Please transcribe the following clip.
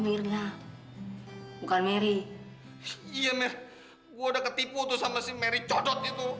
iya mer gue udah ketipu tuh sama si mary codot itu